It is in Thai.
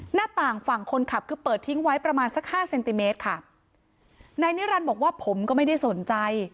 หน้าต่างฝั่งคนขับคือเปิดทิ้งไว้ประมาณสักห้าเซนติเมตรค่ะนายนิรันดิ์บอกว่าผมก็ไม่ได้สนใจ